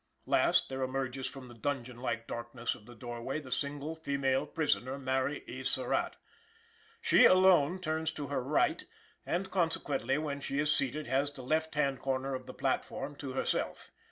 Last, there emerges from the dungeon like darkness of the doorway the single female prisoner, Mary E. Surratt. She, alone, turns to her right and, consequently, when she is seated has the left hand corner of the platform to herself.